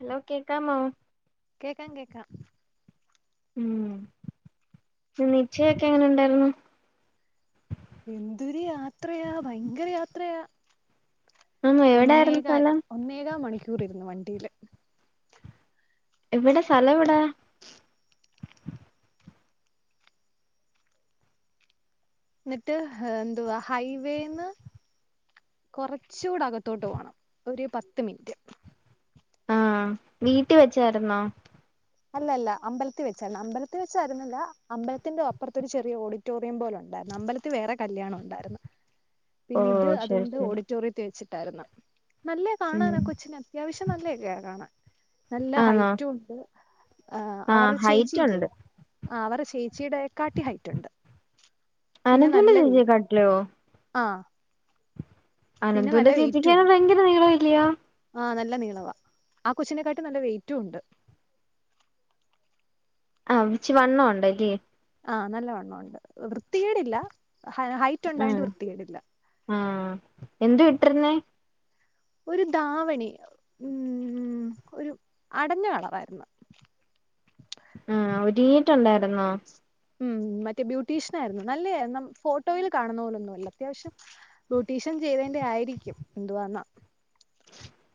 Hello കേക്കാമോ കേക്കാം കേക്കാം ഉം നിശ്ചയൊക്കെ എങ്ങനെ ഒഒണ്ടാര്ന്നു എന്തൊരു യാത്രയാ പയങ്കര യാത്രയാ ആന്നോ എവിടായിരുന്നു ഒന്നേകാല് സ്ഥലം ഒന്നേകാ മണിക്കൂറ് ഇര്ന്ന് വണ്ടില് എവടെ സ്ഥലം എവടെ എന്നിട്ട് എന്തുവാ ഹൈവേന്ന് കൊറച്ചുടെ അകത്തോട്ട് പോണം ഒര് പത്ത് മിനിറ്റ് ആഹ് വീട്ടി വെച്ചാര്ന്നോ അല്ല അല്ല അമ്പലത്തി വെച്ചരാന്ന് അമ്പലത്തി വെച്ചായിരുന്നാല്ല അമ്പലത്തിന്റെ അപ്പുറത്ത ഒര് ചെറിയ ഓട് റ്റേറിയം പോലെ ഒണ്ടാര്ന്ന് അമ്പലത്തി വേറെ കല്യാണം ഒണ്ടാര്ന്ന് ഓ പിന്നെ ഇത് ശരി അതോണ്ട് ശരി ഓഡിറ്റോറിയത്തി വെച്ചിട്ട് ആര്ന്ന് നല്ലാ ഉം കാണാനാ കൊച്ചിനെ അത്യാവിശ്യം നല്ലൊക്കെ കാണാൻ നല്ല ആന്നോ ഹൈറ്റും ഒണ്ട് ആഹ് അവര്ടെ ചേച്ചി ഹൈറ്റ് ഇല്ലേ ഉണ്ട് ആഹ് അവര്ടെ ചേച്ചിടെ കാട്ടി ഹൈറ്റ് ഒണ്ട് പിന്നെ അനന്തുന്റെ നല്ല വെ ചേച്ചിയെക്കാട്ടിലോ ആഹ് പിന്നെ അനന്ദുന്റെ നല്ല വെയിറ്റും ചേച്ചിയ്ക്ക്യയാ ഉണ്ട് പയങ്കര നീളം അല്ലിയോ ആഹ് നല്ല നീളവാ ആഹ് കൊച്ചിനെക്കാട്ടി നല്ലാ വെയിറ്റും ഒണ്ട് ആഹ് ഇച്ചി വണ്ണം ഒണ്ട് അല്ലി ആഹ് നല്ലാവണ്ണം ഒണ്ട് വൃത്തികേടില്ലാ ഹൈറ്റ് ഒണ്ടായിട്ട് ആഹ് വൃത്തികേടില്ല ആഹ് എന്തുവാ ഇട്ടിര്ന്നേ ഒര് ധാവണി ഉം ഒര് അടഞ്ഞാ കളറാര്ന്ന് ആഹ് ഒര്ങ്ങീട്ട് ഒണ്ടായിര്ന്നോ ഉം മറ്റേ ബ്യൂട്ടീഷ്യൻ ആര്ന്നു നല്ലേര്ന്നു ന ഫോട്ടോയിൽ കാണുന്നാ പോലൊന്നും അല്ല അത്യാവിശ്യം ബ്യൂട്ടീഷൻ ചെയ്തേൻ്റെ ആയിരിക്കും എന്തുവാന്ന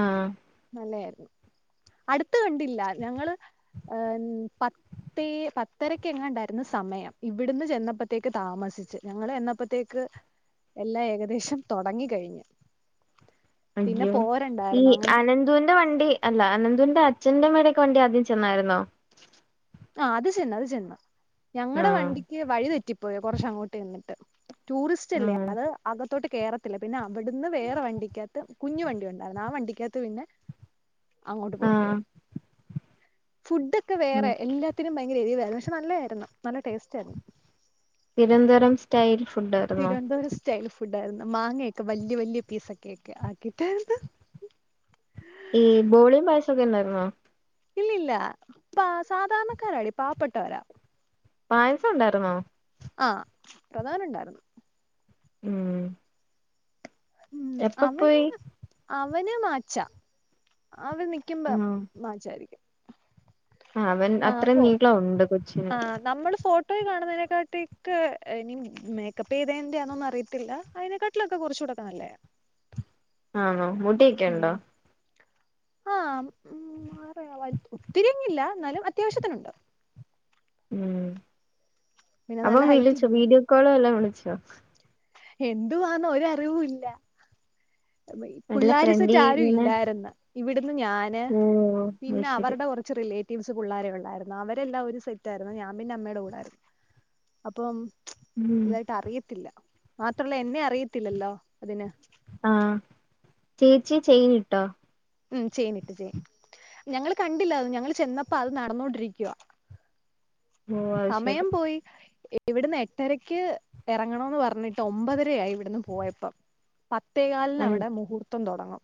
ആഹ് നല്ലാതായിരുന്നു. അടുത്ത് കണ്ടില്ല ഞങ്ങള് ഏം പത്ത ത്തി പത്തരക്ക് എങ്ങാണ്ടായിരുന്ന് സമയം. ഇവിടുന്ന് ചെന്നപ്പോത്തേക്ക് താമസിച്ച് ഞങ്ങൾ ചെന്നപ്പോത്തേക്ക് എല്ലാം ഏകദേശം തുടങ്ങി കഴിഞ്ഞു അയ്യോ ഈ അങ്ങനെ അനന്ദൂന്റെ വണ്ടി അല്ല അനന്തൂന്റെ അച്ഛൻ്റേം അമ്മേടേക്കെ വണ്ടി ആദ്യം ചെന്നായിരുന്നോ? ആഹ് അത് ചെന്ന്... അത് ചെന്ന്... ഞങ്ങടെ ആഹ് വണ്ടിക്ക് വഴി തെറ്റിപ്പോയി കൊറച്ച് അങ്ങോട്ട് ചെന്നിട്ട് ടൂറിസ്റ്റ്ല്ലേ ആഹ് അത് അകത്തോട്ട് കേറത്തില്ല പിന്നെ അവിടുന്ന് വേറെ വണ്ടിക്കകത്ത് കുഞ്ഞുവണ്ടി ഉണ്ടായിരുന്നു ആ വണ്ടിക്കകത്ത് പിന്നെ അങ്ങോട്ട് പോകേണ്ടി ആഹ് വന്നു ഫുട് ഒക്കെ ഉം വേറെ. എല്ലാത്തിനും ഭയങ്കര എരിവായിരുന്നു പക്ഷെ നല്ലായിരുന്നു നല്ല ടേസ്റ്റായിരുന്നു. Thiruvananthapuram style food Thiruvananthapuram style food ആയിരുന്നു മാങ്ങയൊക്കെ വലിയ വലിയ പീസൊക്കെ ഒക്കെ ആക്കിയിട്ടായിരുന്നു ഈ ബോളിം പായസക്കെ ഉണ്ടായിരുന്നോ ഇല്ലില്ല പ സാധാരണക്കാരാടി പാവപ്പെട്ടവരാ പായസം ഉണ്ടായിരുന്നോ ആഹ് പ്രഥമൻ ണ്ടായിരുന്നു ഉം ഉം എപ്പ അവന് പോയി അവന് മാച്ച അവര് നിക്കുമ്പ ആഹ് മാച്ചാരിക്കും അവൻ അത്രയും ന്നാപോ നീളം ഉണ്ട് കൊച്ചിന് ആഹ് നമ്മള് ഫോട്ട ട്ടോയി കാണുന്നതിനെക്കാട്ടി ക്കെ എനി മേക്കപ്പെയ്തെന്റെയാന്നൊന്നും അറിയത്തില്ല. അയ്നെകാട്ടിലൊക്കെ കൊറച്ചൂടെക്കെ നല്ലെയ. ആന്നോ മുടിയൊക്കെണ്ടോ. ആഹ് ഉം വേറെയാവാൻ ഒത്തിരിയങ്ങില്ല എന്നാലും അത്യാവശ്യത്തിനുണ്ട്. ഉം പിന്നെ അവൻ നല്ല ഹൈറ്റ് വിളിച്ചോ ഇല്ലേ വീഡിയോ കോള് വല്ലാം വിളിച്ചോ. എന്തുവാന്ന് ഒരറിവു ഇല്ല. നല്ല പുള്ളാര് സെറ്റ് ഫ്രണ്ട്ലി ആരും ഇങ്ങനെ ഇല്ലായിര്ന്ന് ഇവിടുന്ന് ഞാന് ഓ അത് പിന്നെ ശരി അവരുടെ കൊറ ച്ച് റിലേറ്റീവ്സ് പുള്ളാരേ ഉള്ളായിരുന്നു അവരെല്ലാം ഒരു സെറ്റായിരുന്നു ഞാൻ പിന്നെ അമ്മേടെ കൂടായിരുന്നു. അപ്പം ഉം ഇതായിട്ട് അറിയത്തില്ല മാത്രല്ല എന്നെ അറിയത്തില്ലല്ലോ അതിന്. ആഹ് ചേച്ചി ചെയിനിട്ടോ. ഉം ചെയ്നിട്ട് ചെയ് ഞങ്ങള് കണ്ടില്ല അത് ഞങ്ങള് ചെന്നപ്പ അത് നടന്നോണ്ടിരിക്കുവാ. ഓ അത് ശരി സമയം പോയി എ. ഇവിടന്ന് എട്ടരയ്ക്ക് എറങ്ങണന്ന് പർഞ്ഞിട്ട് ഒമ്പതരയായി ഇവിടുന്ന് പോയപ്പം. പത്തേകാൽന് അവിടെ മുഹൂർത്തം തൊടങ്ങും.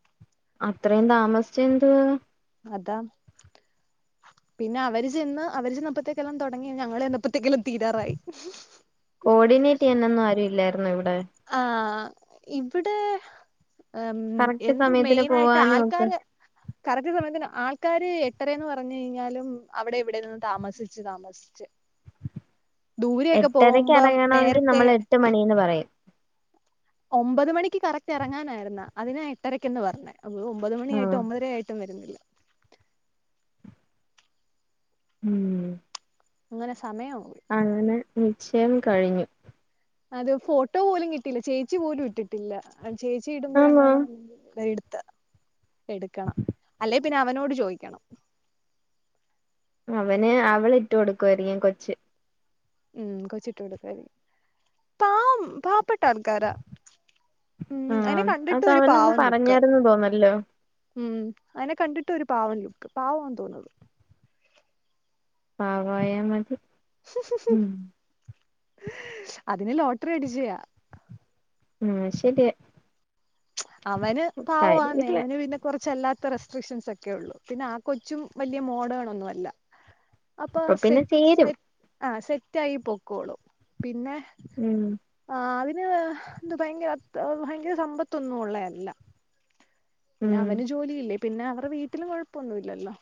അത്രേം താമസിച്ചന്തുവാ. അതാ. പിന്നവര് ചെന്ന് അവര് ചെന്നപ്പത്തേക്കെല്ലാം തൊടങ്ങി ഞങ്ങള് ചെന്നപ്പത്തിക്ക്ന് തീരാറായി. കോർഡിനേറ്റ് ചെയ്യാനൊന്നും ആരു ഇല്ലായിരുന്നോ ഇവിടെ. ആഹ് ഇവിടെ എം കറക്റ്റ് എന്തു സമയത്തിന് മെയിനായിട്ട് പോവാനും ഒക്കെ ആൾക്കാര്. കറക്റ്റ് സമയത്തിന് ആൾക്കാര് എട്ടര എന്ന് പറഞ്ഞു കയിഞ്ഞാലും അവിടെ ഇവിടെ നിന്ന് താമസിച്ച് താമസ് സ്ച്ച്. എട്ടരക്ക് എറങ്ങണൊങ്കി നേരത്തെ നമ്മള് എട്ട് മണിന്ന് പറയും. ഒമ്പത് മണിക്ക് കറക്റ്റ് എറങ്ങാനായിര്ന്ന് അതിനാ എട്ടരയ്ക്കന്ന് പർഞ്ഞത്. അവള് ഒമ്പത് ആഹ് മണിയായിട്ടും ഒമ്പതര ആയിട്ടും വരുന്നില്ല. ഉം. അങ്ങനെ സമയാവു അങ്ങനെ നിശ്ചയം കഴിഞ്ഞു. അത് ഫോട്ടോ പോലും കിട്ടീല ചേച്ചി പോലും ഇട്ടിട്ടില്ല. അ ചേച്ചി ആന്നോ ഇടുമ്പഴങ്ങാണം ദേ ഇട്ത്ത എടുക്കണം അല്ലെ. പിന്ന അവനോട് ചോയിക്ക്യണം. അവന് അവളിട്ടു കൊടുക്കുവായിരിക്കും കൊച്ച്. ഉം കൊച്ചിട്ട് കൊടുക്കായിരിക്കും പാവം പാം. പ്പെട്ട ആൾക്കാരാ ഉം അയിനെ ആഹ് കണ്ടിട്ട് അത് ഒരു അവനൊന്ന് പാവം ലുക്ക്. പറഞ്ഞായിരുന്നു തോന്നല്ലോ ഉം അയിനെ കണ്ടിട്ട് ഒരു പാവം ലുക്ക് പാവാന്ന് തോന്ന്‌ന്നത്. പാവായാ മതി. ഉം അതിന് ലോട്ട്റി അടിച്ചയാ. ആഹ് ശെര്യാ. അവന് പാവവാന്നേ കാര്യമില്ല അവന് പിന്നെ കുറച്ചല്ലാത്ത റസ് ഫിഷൻസക്കെ ഉള്ളൂ പിന്നെ ആ കൊച്ചും വല്ല്യ മോഡേണൊന്നു അല്ല. അപ്പാ ഇപ്പൊ പിന്നെ സെറ്റ് ചേരും സര് ആ സെറ്റായി പൊക്കോളും പിന്നെ. ഉം. ആഹ് അതിന് ന്ത് ഭയങ്കര അത് ഭയങ്കര സമ്പത്തൊന്നു ഒള്ളയല്ല. പിന്ന ഉം അവന് ജോലിയില്ലേ പിന്നെ അവരെ വീട്ടില് കൊഴപ്പൊന്നുല്ലല്ലോ.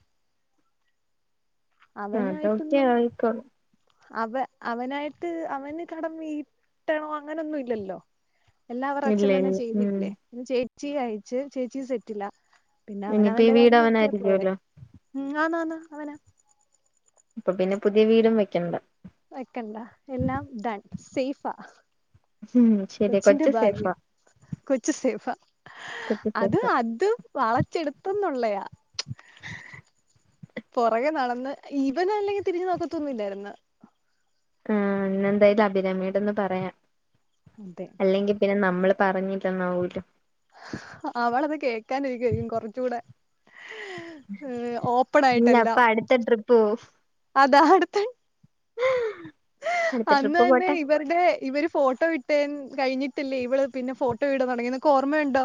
അതൊക്കെ അവനായിട്ടൊന്നും ആയിക്കോളും അവ അവനായിട്ട് അവന് കടം വീ ട്ടണോ അങ്ങനൊന്നുഇല്ലല്ലോ ഇല്ല എല്ലാവറച്ഛൻ തന്നെ ഇല്ല ഉം ചെയ്തില്ലേ ചേച്ചിയെ അയച്ച് ചേച്ചിയും സെറ്റിലാ പിന്നെ ഇനിയിപ്പ ഈ അവനവന്റെ വീട് കാര്യം നോക്കിയാ പോരെ അവനായിരിക്കുവല്ലോ ഉം ആനാന്ന്‌ അവന പ്പ പിന്നെ പുതിയ വീടും വെക്കണ്ട വെക്കണ്ട എല്ലാം ഡൺ സേയ്ഫാ ഉം ശരിയാ കൊച്ചിന്റെ കൊച്ച് സേഫാ ഭാഗ്യം കൊച്ച് സെയ്ഫാ കൊച്ച് അത് സേഫാ അത് വളച്ചെടുത്തന്നുള്ളയാ പൊറകെ നടന്ന് ഇവനല്ലെങ്കി തിരിഞ്ഞ് നോക്കത്തൊന്നും ഇല്ലാര്ന്ന് ഉ ഇന്നെന്തായാലും അഭിരാമിയോടൊന്നു പറയാം അതെ അല്ലെങ്കിപ്പിന്നെ നമ്മള് പറഞ്ഞില്ലന്നാവൂലോ ഹാ അവളത് കേക്കാനിരിക്കാരിക്കും കൊറച്ചൂടെ ഇല്ലപ്പടുത്ത ട്രിപ്പ് പോവും അതാടുത്തെ ഉ [inaudible] അന്നന്നെ ഇവ ടെ ഇവര് ഫോട്ടോ ഇട്ടേൻ കഴിഞ്ഞിട്ടി ല്ലേ ഇവള് പിന്നെ ഫോട്ടോ ഇടൻ തുടങ്ങിയത് നിനക്ക് ഓർമ്മയുണ്ടോ?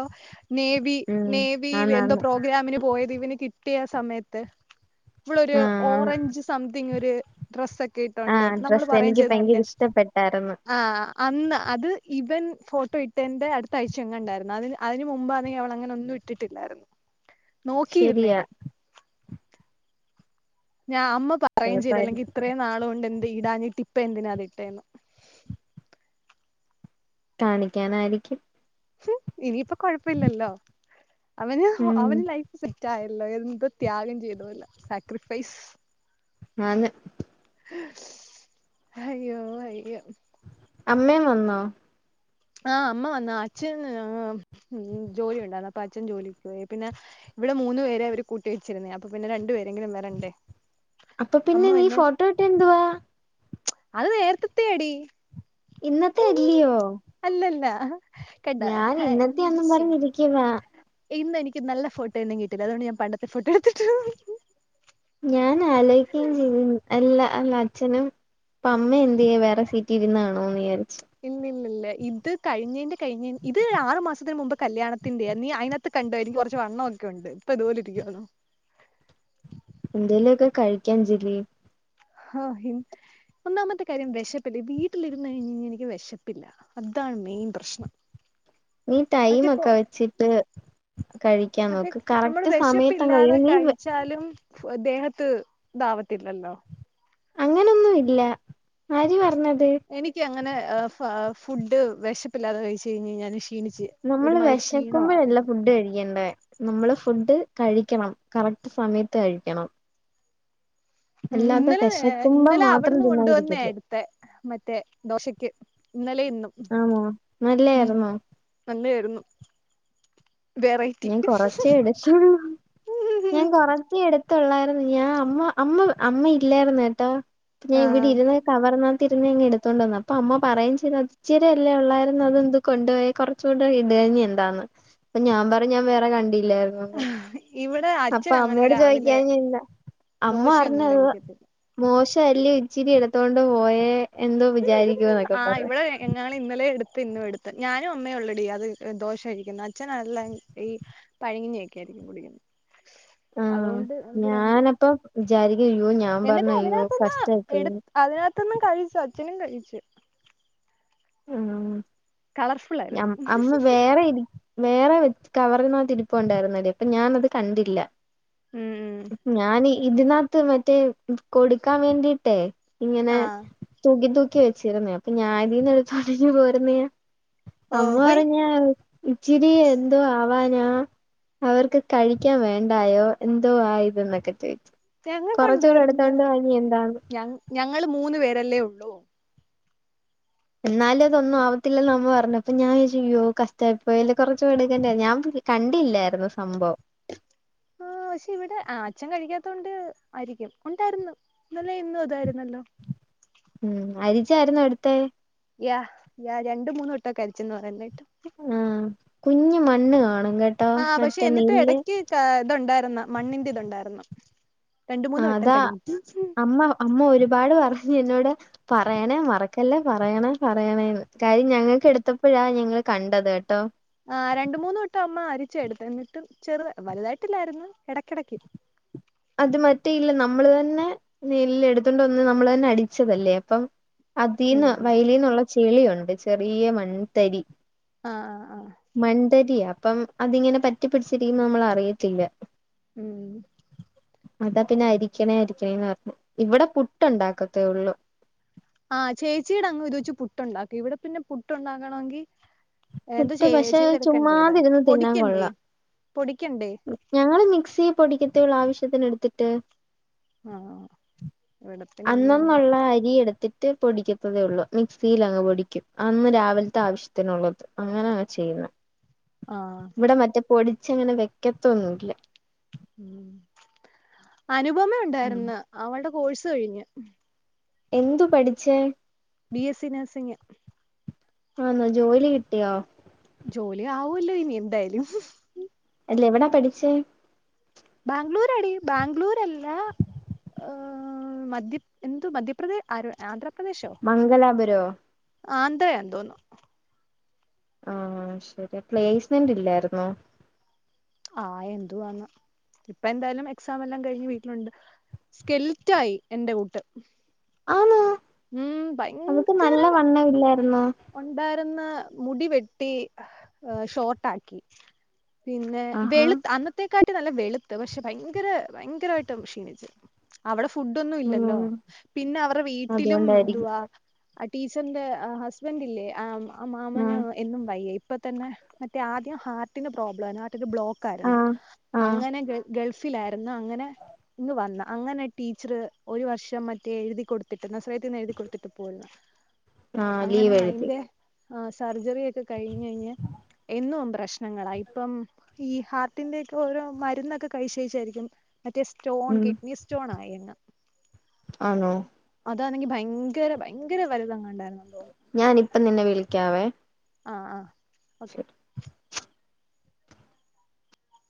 നേവി ഉം നേവീവ് എന്തോ ആന്നാന്ന് പ്രോഗ്രാമിന് പോയത് ഇവന് കിട്ടിയ ആ സമയത്ത് ഇവിളൊരു ആഹ് ആന്ന് ഓറഞ്ച് സംതിങ് ഒര് ഡ്രസ്സ ക്കെ ഇട്ടോണ്ട് ആഹ് നമ്മള് ഡ്രസ്സ് പറയേം എനിക്ക് ഭയങ്കര ചെയ്നല്ലേ ഇഷ്ടപ്പെട്ടായിരുന്നു ആഹ് അന്ന് അത് ഇവൻ ഫോട്ടോ ഇട്ടേന്റെ അടുത്ത ആഴ്ചയങ്ങാണ്ടായിരുന്നു അതിന് അതിന് മുമ്പാനെങ്കി അവള ങ്ങനൊന്നും ഇട്ട് ട്ടിട്ടില്ലായിരുന്നു ശരിയാ നോക്കിയിരുന്നെയാ ഞാ അമ്മ പറയും ചെയ്തല്ലെങ്കി ചെലപ്പായിരിക്കും ഇത്രയും നാളുകൊണ്ട് എന്ത് ഇടാഞ്ഞിട്ട് ഇപ്പം എന്തിനാ അത് ഇട്ടേന്ന് കാണിക്കാനാരിക്കും ഹും ഇനിയിപ്പം കൊഴപ്പയില്ലല്ലോ അവന് ഉം അവന് ലൈഫ്സെറ്റായല്ലോ എന്ത് ത്യാഗം ചെയ്തോലെ സാക്രിഫൈസ് ആന്ന്‌ ഹ് ഹയ്യോ ഹയ്യോ അമ്മേം വന്നോ ആ അമ്മ വന്ന്‌ അച്ഛൻ ജോലി ഉണ്ടാര് ന്ന് അപ്പ അച്ഛൻ ജോലിക്ക് പോയി പിന്നെ ഇവിടെ മൂന്ന് വേരെ അവര് കൂട്ടി വച്ചിരുന്നയാ അപ്പ പിന്നെ രണ്ടുവേ രെങ്കിലും വരണ്ടേ അപ്പ അമ്മ പ്പിന്നെ നീ പിന്നെ ഫോട്ടോഇട്ടെയെ ന്തുവാ? അത് നേര്ത്തത്തെയാടീ ഇന്നത്തെയല്ലിയോ? അല്ലല്ല അഹാ കണ്ടാ ഹേ എന്ത് ഇന്നത്തെയാന്നും ചെയ്യും പറഞ്ഞിരിക്കുവാ ഇന്ന് എനിക്ക് നല്ല ഫോട്ടോ ഒന്നും കിട്ടില്ല അതുകണ്ട് ഞാൻ പണ്ടത്തെ ഫോട്ടോ എടുത്തിട്ടു ഞാൻ ആലോചിക്കേം ചെയ്തു അല്ല അല്ല അച്ഛനും അപ്പൊ അമ്മ എന്ത് ചെയ്യും വേറെ സീറ്റീ ഇരുന്നാണോന്ന്ചാരിച്ച് ഇല്ലില്ലില്ല ഇത് കഴിഞ്ഞേന്റെ കഴിഞ്ഞ ഇത് ആറു മാസത്തിന് മുമ്പ് കല്യാണത്തിന്റെയാ നീ അയ്ന ഇത് കണ്ടോ എനിക്ക് കൊറച്ച് വണ്ണോ ക്കൊണ്ട് ഇപ്പതുപോലെ ഇരിക്കുവണോ എന്തേലു ഒക്കെ കഴിക്കഞ്ജലി ഹാ ഇന്ന് ഒന്നാമത്തെ കാര്യം വെശപ്പില്ല വീട്ടിലിരുന്ന് കഴിഞ്ഞാഞ്ഞെനിക്ക് വെശപ്പില്ല അതാണ് മെയിൻ പ്രശ്നം നീ മറ്റേ ടൈമൊക്ക കൊ വെച്ചിട്ട് കഴിക്കാൻ മറ്റേ നോക്ക് നമ്മള് കറക്റ്റ് സമയത്തങ്ങ് വെശപ്പില്ലാതെ കഴിക്കണം നീ കഴിച് ച്ചാലും ഫ് ദേഹത്ത് ഇതാവത്തില്ലല്ലോ അങ്ങനൊന്നും ഇല്ല ആര് പറഞ്ഞത് എനിക്ക് അങ്ങനെ ഏഹ് ഫ ഫുഡ് വെശപ്പില്ലാതെ കഴിച്ച് കഴിഞ്ഞഴി ഞാല് ക്ഷീണിച്ച് നമ്മള് ഒരുമാതിരി വെശക്കുമ്പഴല്ല ക്ഷീണമായിരിക്കും ഫുഡ് കഴിക്കണ്ടേ നമ്മള് ഫുഡ് കഴിക്കണം കറക്റ്റ് സമയത്ത് കഴിക്കണം ഉം അല്ലാതെ ഇന്നലെ വിശക്കുമ്പോ ഇന്നലെ മാത്രം അവിടുന്ന് കൊണ്ടുവന്നേ തിന്നാതിരിക്കല്ലേ എടുത്തെ മറ്റേ ദോശക്ക് ഇന്നലെ ഇന്നും ആണോ നല്ലേര്ന്നോ നല്ലേരുന്നു ഞാൻ കൊറച്ചേ എടുത്തുള്ളൂ ഞാൻ കൊറച്ചേ എടുത്ത് ത്തൊള്ളാര്ന്നു ഞാൻ അമ്മ അമ്മ അമ്മ ഇല്ലാരുന്ന് കേട്ടോ ഞാൻ ഇവിടെ ആഹ് ഇരുന്ന് കവർനാത്തിരുന്ന ഇങ്ങ് എടുത്തോണ്ട ന്നു അപ്പ അമ്മ പറയേം ചെയ്ത് ഇച്ചിരി അല്ലേ ഒള്ളായിരുന്നു അത് എന്ത് കൊണ്ടോയി കൊറച്ച് കൊണ്ടോയി ഇട് ഇനി എന്താന്ന് അപ്പൊ ഞാൻ പറഞ്ഞ് വേറെ കണ്ടില്ലായിരുന് ഇവിടെ അച്ഛൻ അപ്പൊ അങ്ങനെ അമ്മയോട് രാവിലെ ചോദിക്കാഞ്ഞെന്താ അമ്മ ദോശയൊന്നും പറഞ്ഞത് കഴിക്കത്തില്ല മോശഅല്ലേ ഇച്ചിരി എടുത്തോണ്ട് പോയേ എന്തോ വിചാരിക്കുന്നക്ക പറയാ എങ്ങാള് ഇന്നലെ എടുത്ത് ഇന്നും എടുത്ത് ഞാനും അമ്മേ ഉള്ളെടി അത് ദോശയിരിക്കുന്നു അച്ഛന അല്ല ഈ പഴങ്കഞ്ഞി വെക്കായിരുന്നു ആഹ് രണ്ടും ഞാനപ്പ വിചാരിക്കു യ്യയ്യോ എന്നിട്ട് അതിനകത്ത്ന്ന് എടുത്ത് അതിനകത്തിന്നും കഴിച്ചു അച്ഛനും കഴിച്ച് ഉം കളർഫുൾ ഞാ ആയിരുന്നു അമ്മ വേറെ ഇരി വേറെ വെച്ച് കവറിനകത്തിരിപ്പൊ ണ്ടായിരുന്നെടീ അപ്പ ഞാനത് കണ്ടില്ല ഉം ഞാന് ഇതിനകത്ത് മറ്റേ കൊടുക്കാൻ വേണ്ടിട്ടേ ഇങ്ങനെ ആഹ് തൂക്കി തൂക്കി വെച്ചിരുന്നേ അപ്പൊ ഞാനതീന്ന് എടുത്ത ഉടഞ്ഞ് പോരുന്നേ അമ്മ ഓഹ് ഹൊയ് പറഞ്ഞ് ഇച്ചിരി എന്തോ ആവാനാ അവർക്ക് കഴിക്കാൻ വേണ്ടായോ എന്തോ ആ ഇതെന്നൊക്കെ ചോയിച്ച് കൊറച്ചൂടെ എടുത്തോണ്ട് വരീ എന്താന്ന് ഞങ്ങ ഞങ്ങൾ മൂന്ന് പേരല്ലേ ഒള്ളൂ എന്നാലതൊന്നും ആവത്തില്ലെന്ന് അമ്മ പറഞ്ഞപ്പൊ ഞാൻ വിചാരിച്ച് അയ്യോ കഷ്ടായിപ്പോയല്ല കൊറച്ചു മേടിക്കണ്ടേ ഞാൻ പോയി കണ്ടില്ലായിരുന്നു സംഭവം ആഹ് പക്ഷെ ഇവിടെ ആഹ് അച്ഛൻ കഴിക്കാത്തൊണ്ട് ആയിരിക്കും ഒണ്ടാരുന്നു ഇന്നലെ ഇന്നും ഇതായിരുന്നല്ലോ ഉം അരിച്ചാരുന്നേ എടുത്തേ യാഹ് യാഹ് രണ്ട് മൂന്ന് വട്ടോക്ക അരിച്ചെന്ന് പറയുന്ന കേട്ടു ഉം കുഞ്ഞ് മണ്ണ് കാണും കേ ആഹ് പക്ഷെ എന്നിട്ട് എടക്ക് ക ഇതുണ്ടാരുന്നു മണ്ണിന്റെ ഇതേണ്ടാരുന്നു ആ അതാ അമ്മ പ അമ്മ ഒരുപാട് പറഞ്ഞു എന്നോട് പറയണേ മറക്കല്ലേ പറയണേ പറയണേന്ന് കാര്യം ഞങ്ങക്ക് എടുത്തപ്പഴാ ഞങ്ങള് കണ്ടത് കേട്ടോ ആഹ് രണ്ട മൂന്ന് തൊട്ടം അമ്മ അരിച്ച എടുത്ത് എന്നിട്ട് ചെറു വലുതായിട്ടില്ലായിരുന്നു ഇടക്കിടക്ക് അത് മറ്റേ ഇല്ല നമ്മള് തന്നെ നെല്ല് എടുത്തണ്ട് വന്ന് നമ്മള് തന്നെ അടിച്ചതല്ലേ അപ്പം അതിന്ന് ആഹ് വയലീന്നുള്ള ചെളിയുണ്ട് ചെറിയ മൺതരി ആഹ് ആഹ് ആഹ് മണ്ടരിയ അപ്പം അതിങ്ങനെ പറ്റി പിടിച്ചിരിക്കുമ്പോ നമ്മൾ അറിയത്തില്ല ഉം അതാ പിന്നെ അരിക്കണേ അരിക്കണേന്ന് പറഞ്ഞു ഇവിടെ പുട്ട് ഉണ്ടാക്കത്തേ ഉള്ളു ആഹ് ചേച്ചിയുടെ അങ് ഇത് വെച്ച് പുട്ടുണ്ടാക്കും ഇവിടെ പിന്നെ പുട്ടുണ്ടാക്കണമെങ്കിൽ എന്ത് പുട്ട് ചെയ പക്ഷെ ചെയ്തെടുക്കണ്ടേ അത് ചുമ്മാതിരുന്ന് പൊടിക്കണ്ടേ പൊടിക്കണ്ടേ ഞങ്ങള്ൾ മിക്സിയി പൊടിക്കത്തേയുള്ളൂ ആവശ്യത്തിന് എടുത്തിട്ട് ആഹ് ഇവിടെ പിന്നമ്മ അന്നന്നുള്ള അരി എടുത്തിട്ട് മറ്റേ പൊടിക്കത്തതേ ഉള്ളൂ മിക്സിൽ അങ്ങ് പൊടിക്കും അന്ന് രാവിലത്തെ ആവശ്യത്തിനുള്ളത് അങ്ങനെയ ചെയ്യുന്നത് ആഹ് ഇവിടെ മറ്റേ പൊടിച്ച അങ്ങനെ വെക്കത്തൊന്നുമില്ല ഉ അനുപമ ഉം ഉണ്ടായിരുന്ന് അവളുടെ കോഴ്സ് കഴിഞ്ഞ് എന്തു പഠിച്ചേ ബി എസ് സി നേർസിങ് ആണോ ജോലി കിട്ടിയോ ജോലി ആവുമല്ലോ ഇനി എന്തായാലും അല്ല എവിടാ പഠിച്ചേ ബാംഗ്ലൂർ അടി ബാംഗ്ലൂർല്ലാ അഹ് മധ്യ എന്ത് മധ്യപ്രദേ് ആഹ് ആന്ധ്രാപ്രദേശോ മംഗലാപുരോ ആന്ധ്രയാനു തോന്നുന്നു ആഹ് ശരി പ്ലേസ്മെന്റ് ഇല്ലായിരുന്നോ ആഹ് എന്തുവാണോ ഇപ്പ എന്തായാലും എക്സാം എല്ലാം കഴിഞ്ഞ് വീട്ടിലുണ്ട് സ്കെൽറ്റ ആയി എന്റെ കൂട്ട് ആണോ ഉം അവൾക്ക് ഭയങ്കര നല്ല വണ്ണം ഇല്ലായിരുന്നോ ഉണ്ടായിരുന്ന മുടി വെട്ടി ഷോർട്ട ആക്കി പിന്നെ ആഹാ വെളു അന്നത്തെേക്കാട്ടി നല്ല വെളുത്ത് പക്ഷെ ഭയങ്കര ഭയങ്കരമായിട്ട് ക്ഷീണിച്ചു അവിടെ ഫുഡൊ ഒന്നും ഉം ഇല്ലല്ലോ പിന്നെ അവരുടെ വീട്ടിലും അതുകൊണ്ടായിരിക്കും എന്തുവാ ആ ടീച്ചറിന്റെ ഹസ്ബന്റില്ലേ ആഹ് ആ മാമന ഉം എന്നും വയ്യ ഇപ്പൊ തന്നെ മറ്റേ ആദ്യം ഹാർട്ടിന് പ്രോബ്ലം ആയിരുന്നു ബ്ലോക്ക് ആരുന്നു ആഹ് ആഹ് അങ്ങനെ ഗൾഫിലായിരുന്നു അങ്ങനെ ഇങ്ങ് വന്ന അങ്ങനെ ടീച്ചർ ഒരു വർഷം മറ്റേ എഴുതി കൊടുത്തിട്ട് നസ്രയത്തിൽ നിന്ന് എഴുതി കൊടുത്തിട്ട് പോന്നു ആഹ് അങ്ങനെ ലീവ് എഴുതി അയിന്റെ ആഹ് സർജറി ഒക്കെ കഴിഞ് കഴിഞ്ഞഞ് എന്നും പ്രശ്നങ്ങളാ ഇപ്പം ഈ ഹാർട്ടിന്റെ ഒക്കെ ഓരോ മരുന്നൊക്കെകഴിച്ചുകഴിച്ചായിരിക്കും മറ്റേ സ്റ്റോൺ കിഡ്നി സ്റ്റോൺ ആയിരുന്നു ആണോ അതാണെങ്കി ഭയങ്കര ഭയങ്കര വലുതങ്ങാണ്ടായിരുന്നു എന്നു തോന്നുന്നു ഞാനിപ്പം നിന്നെ വിളിക്കാവേ ആഹ് ആഹ് ഓക്കെ